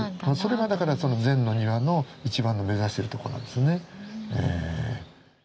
それがだから禅の庭の一番の目指してるとこなんですね。